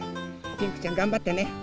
ピンクちゃんがんばってね！